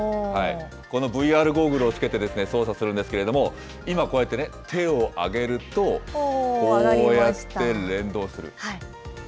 このＶＲゴーグルをつけて操作するんですけれども、今、こうやってね、手を上げると、こうやって連動する。